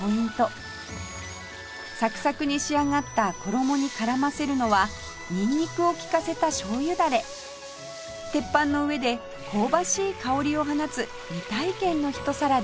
サクサクに仕上がった衣に絡ませるのはニンニクを利かせたしょうゆダレ鉄板の上で香ばしい香りを放つ未体験のひと皿です